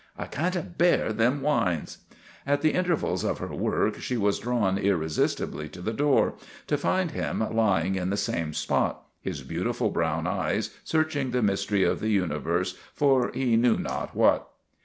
" I can't a bear them whines." In the intervals of her work she was drawn irre sistibly to the door, to find him lying in the same spot, his beautiful brown eyes searching the mystery of the universe for he knew not what.